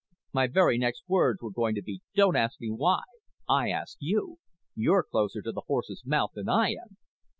"My very next words were going to be 'Don't ask me why.' I ask you. You're closer to the horse's mouth than I am."